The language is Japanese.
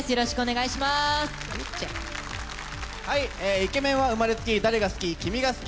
イケメンは生まれつき、誰が好き？